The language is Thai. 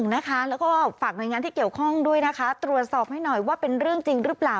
แล้วก็ฝากหน่วยงานที่เกี่ยวข้องด้วยนะคะตรวจสอบให้หน่อยว่าเป็นเรื่องจริงหรือเปล่า